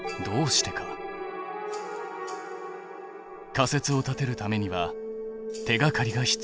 仮説を立てるためには手がかりが必要。